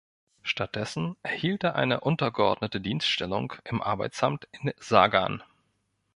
Stattdessen erhielt er eine untergeordnete Dienststellung im Arbeitsamt in Sagan.